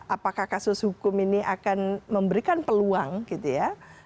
apakah kasus hukum ini akan memberikan peluang gitu ya